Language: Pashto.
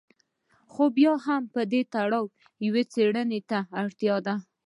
خو بیا هم په دې تړاو یوې څېړنې ته اړتیا ده.